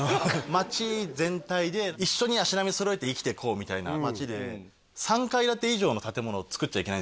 町全体で一緒に足並み揃えて生きていこうみたいな町でえっ？